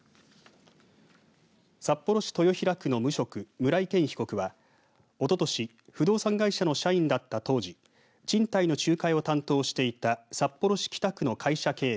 札幌市豊平区の無職村井健被告は、おととし不動産会社の社員だった当時賃貸の仲介を担当していた札幌市北区の会社経営